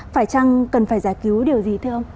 phải chăng cần phải giải cứu điều gì thưa ông